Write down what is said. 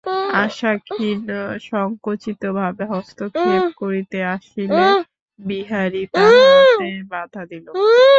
আশা ক্ষীণ সংকুচিত ভাবে হস্তক্ষেপ করিতে আসিলে, বিহারী তাহাতে বাধা দিল।